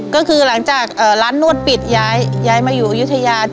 ก็คือหลังจากร้านนวดปิดย้ายมาอยู่อยุธยา